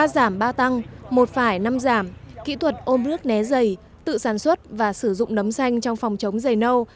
ba giảm ba tăng một phải năm giảm kỹ thuật ôm nước né dày tự sản xuất và sử dụng nấm xanh trong phòng chống dày nâu